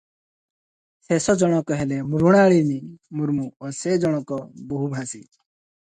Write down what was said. ଶେଷଜଣକ ହେଲେ ମୃଣାଳିନୀ ମୁର୍ମୁ ଓ ସେ ଜଣେ ବହୁଭାଷୀ ।